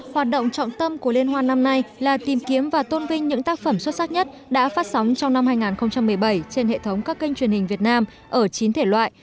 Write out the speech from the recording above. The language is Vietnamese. hoạt động trọng tâm của liên hoan năm nay là tìm kiếm và tôn vinh những tác phẩm xuất sắc nhất đã phát sóng trong năm hai nghìn một mươi bảy trên hệ thống các kênh truyền hình việt nam ở chín thể loại